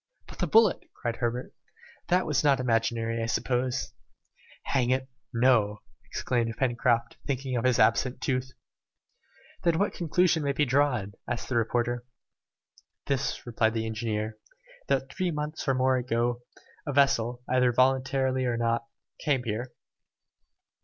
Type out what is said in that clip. "But the bullet," cried Herbert. "That was not imaginary, I suppose!" "Hang it, no!" exclaimed Pencroft, thinking of his absent tooth. "Then what conclusion may be drawn?" asked the reporter. "This," replied the engineer, "that three months or more ago, a vessel, either voluntarily or not, came here."